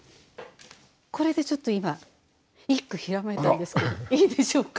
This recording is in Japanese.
これでちょっと今一句ひらめいたんですけどいいでしょうか？